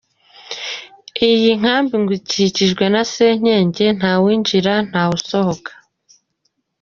Iyi nkambi ngo ikikijwe na senyenge, nta winjira, ntawe usohoka.